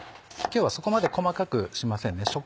今日はそこまで細かくしませんね。